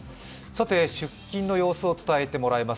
出勤の様子を伝えてもらいます。